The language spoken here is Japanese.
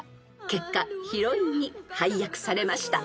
［結果ヒロインに配役されました］